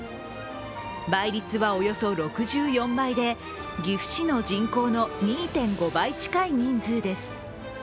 倍率はおよそ６４倍で岐阜市の人口の２．５倍近い人数です